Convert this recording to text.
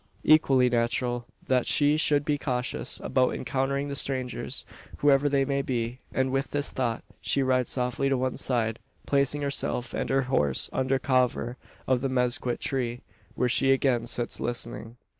Equally natural, that she should be cautious about encountering the strangers whoever they may be; and, with this thought, she rides softly to one side placing herself and her horse under cover of a mezquit tree; where she again sits listening.